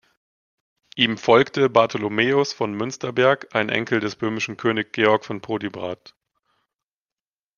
Ihm folgte Bartholomäus von Münsterberg, ein Enkel des böhmischen Königs Georg von Podiebrad.